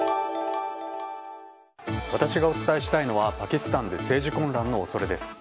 私がお伝えしたいのはパキスタンで政治混乱の恐れです。